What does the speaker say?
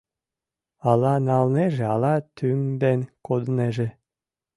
Ала налнеже, ала тӱҥден кодынеже.